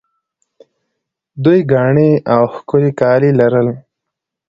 دوی ګاڼې او ښکلي کالي لرل